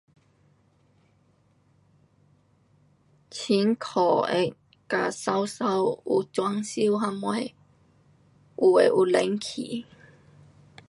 进口的跟美美，有装修什么，有的有冷气。